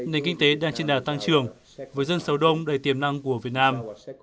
nền kinh tế đang trên đà tăng trưởng với dân sâu đông đầy tiềm năng của việt nam